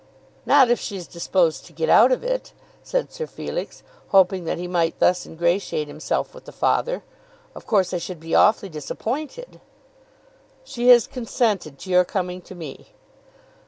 "Not if she's disposed to get out of it," said Sir Felix, hoping that he might thus ingratiate himself with the father. "Of course, I should be awfully disappointed." "She has consented to your coming to me?"